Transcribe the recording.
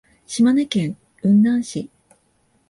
島根県雲南市